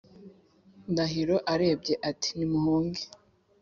ndahiro arebye ati : nimuhunge